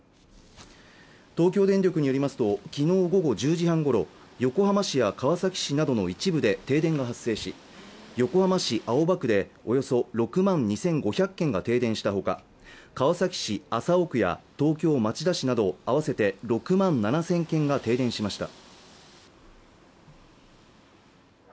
東京電力によりますときのう午後１０時半ごろ横浜市や川崎市などの一部で停電が発生し横浜市青葉区でおよそ６万２５００軒が停電したほか川崎市麻生区や東京・町田市など合わせて６万７０００軒が停電しました